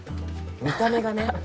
見た目がね。